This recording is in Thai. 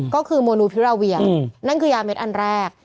ก็คือโมนูพิราเวียนั่นคือยาเม็ดอันแรก